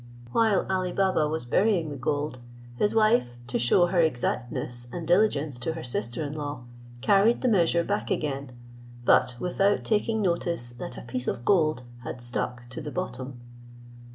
While Ali Baba was burying the gold, his wife, to shew her exactness and diligence to her sister in law, carried the measure back again, but without taking notice that a piece of gold had stuck to the bottom.